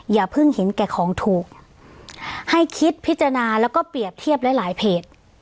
อย่าเพิ่งเห็นแก่ของถูกให้คิดพิจารณาแล้วก็เปรียบเทียบหลายหลายเพจ